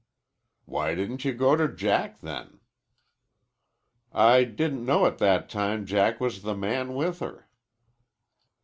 "Why didn't you go to Jack, then?"' "I didn't know at that time Jack was the man with her."